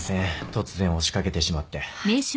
突然押しかけてしまって。